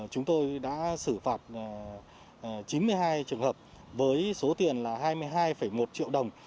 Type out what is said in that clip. chúng tôi đã xử phạt chín mươi hai trường hợp với số tiền là hai mươi hai một triệu đồng